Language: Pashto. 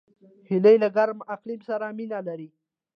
هیلۍ له ګرم اقلیم سره مینه لري